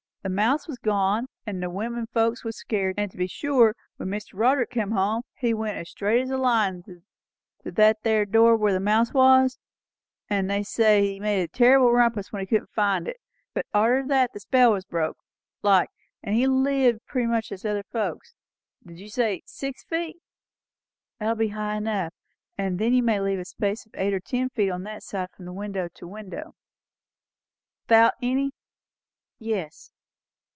The mouse was gone, and the women folks was scared; and to be sure, when Mr. Roderick come home he went as straight as a line to that there door where the mouse was; and they say he made a terrible rumpus when he couldn't find it; but arter that the spell was broke, like; and he lived pretty much as other folks. Did you say six feet?" "That will be high enough. And you may leave a space of eight or ten feet on that side, from window to window." "Thout any?" "Yes."